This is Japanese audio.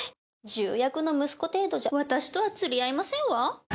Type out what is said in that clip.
重役の息子程度じゃ私とは釣り合いませんわ。